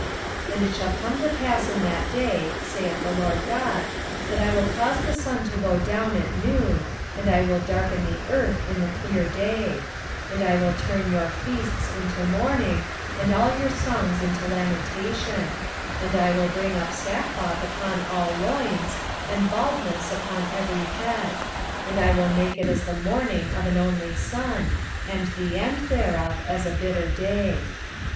8:9 And it shall come to pass in that day, saith the Lord GOD, that I will cause the sun to go down at noon, and I will darken the earth in the clear day: 8:10 And I will turn your feasts into mourning, and all your songs into lamentation; and I will bring up sackcloth upon all loins, and baldness upon every head; and I will make it as the mourning of an only son, and the end thereof as a bitter day.